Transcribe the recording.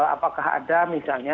apakah ada misalnya